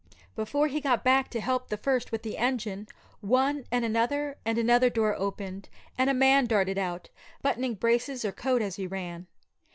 Before he got back to help the first with the engine, one and another and another door opened, and a man darted out, buttoning braces or coat as he ran.